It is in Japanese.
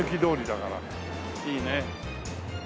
いいね。